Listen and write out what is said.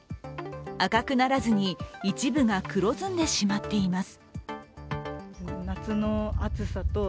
赤くならずに、一部が黒ずんでしまっています。